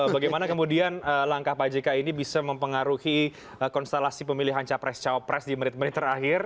bagaimana kemudian langkah pak jk ini bisa mempengaruhi konstelasi pemilihan capres cawapres di menit menit terakhir